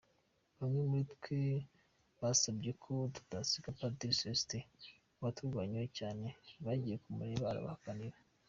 Bamwe muri twe basabye ko tutasiga Padiri Célestin waturwanyeho cyane, bagiye kumureba arabahakanira.